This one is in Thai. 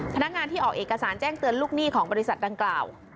พนักงานที่ออกเอกสารแจ้งเตือนลูกหนี้ของบริษัทดังกล่าว